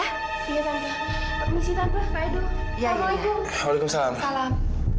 hai siapkan komisi tanpa fado ya ya waalaikumsalam salam